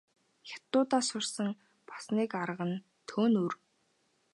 Хятадуудаас сурсан бас нэг арга нь төөнүүр.